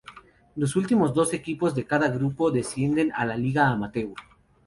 Los últimos dos equipos de cada grupo descienden a la Liga Amateur.